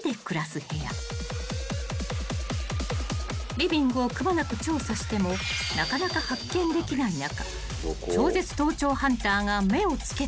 ［リビングをくまなく調査してもなかなか発見できない中］